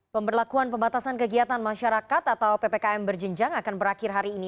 pemberlakuan pembatasan kegiatan masyarakat atau ppkm berjenjang akan berakhir hari ini